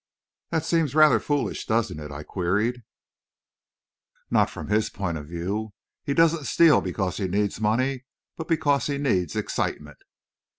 "That seems rather foolish, doesn't it?" I queried. "Not from his point of view. He doesn't steal because he needs money, but because he needs excitement."